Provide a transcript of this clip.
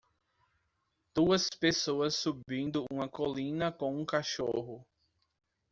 Duas pessoas subindo uma colina com um cachorro.